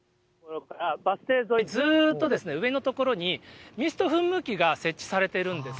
バス停沿い、ずっと上の所に、ミスト噴霧器が設置されてるんです。